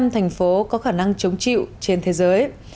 một trăm linh thành phố có khả năng chống chịu trên thế giới